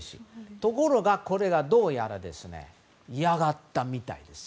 ところが、これがどうやら嫌だったみたいです。